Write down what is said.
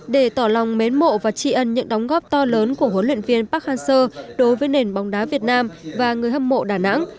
để tỏ lòng mến mộ và tri ân những đóng góp to lớn của huấn luyện viên park hang seo đối với nền bóng đá việt nam và người hâm mộ đà nẵng